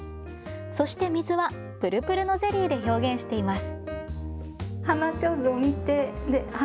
そして水はぷるぷるのゼリーで表現しています。